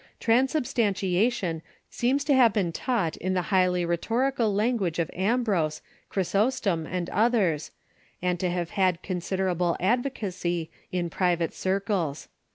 Transub stantiation seems to have been taught in the highly rhetorical language of Ambrose, Chrysostom, and others, and to have had considerable advocacy in private circles.